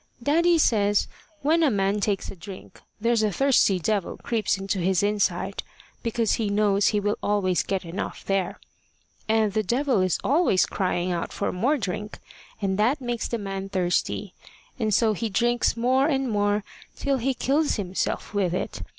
Daddy says when a man takes a drink, there's a thirsty devil creeps into his inside, because he knows he will always get enough there. And the devil is always crying out for more drink, and that makes the man thirsty, and so he drinks more and more, till he kills himself with it.